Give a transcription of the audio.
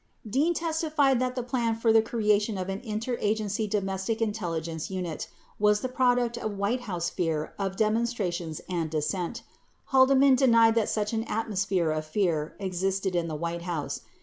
] 36 Dean testified that the plan for the creation of an Inter Agency Domestic Intelligence Unit was the product of White House fear of demonstrations and dissent. 37 Haldeman denied that such an atmos phere of fear existed in the White House.